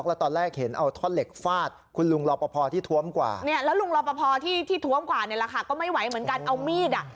แล้วลุงรอปภที่ทวมกว่าเนี่ยละค่ะก็ไม่ไหวเหมือนกันเอามีดอะ